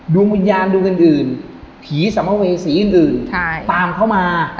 ดวงวิญญาณดวงอื่นผีสัมภเวษีอื่นตามเข้ามา